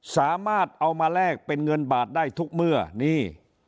สามารถเอามาแลกเป็นเงินบาทได้ทุกเมื่อนี่